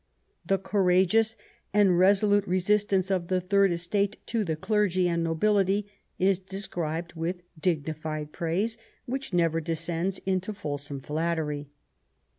The courageous and resolute resistance of the Third Estate to the clergy and nobility is described with dignified praise which never descends into fulsome flattery.